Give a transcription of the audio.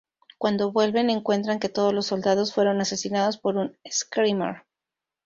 Cuando vuelven, encuentran que todos los soldados fueron asesinados por un Screamer.